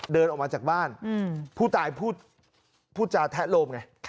เดินออกมาจากบ้านผู้ตายพูดจาแทะโลมไง